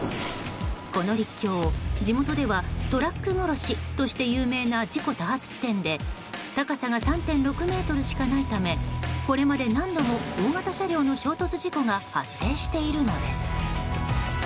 この陸橋、地元ではトラック殺しとして有名な事故多発地点で高さが３．６ｍしかないためこれまで何度も大型車両の衝突事故が発生しているのです。